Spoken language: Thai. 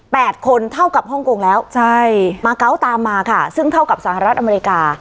คนเท่ากับฮ่องกงแล้วใช่มาเกาะตามมาค่ะซึ่งเท่ากับสหรัฐอเมริกา